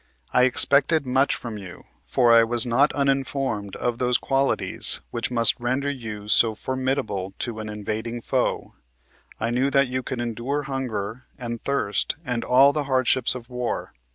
I expected much from you ; for I was not uninformed of those qualities which must render you so formida ble to an invading foe. I knew that you could endure hunger and thirst and all the hardships of war.